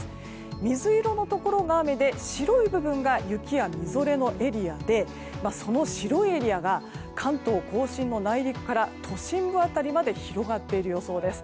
水色のところが雨で白い部分が雪やみぞれのエリアでその白いエリアが関東・甲信の内陸から都心の辺りまで広がっている予想です。